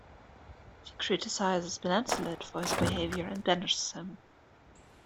She criticizes Lancelot for his behavior and banishes him.